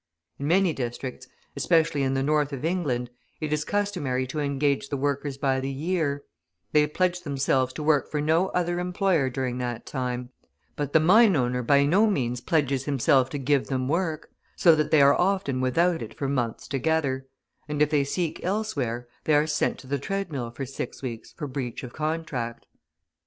In many districts, especially in the North of England, it is customary to engage the workers by the year; they pledge themselves to work for no other employer during that time, but the mine owner by no means pledges himself to give them work, so that they are often without it for months together, and if they seek elsewhere, they are sent to the treadmill for six weeks for breach of contract.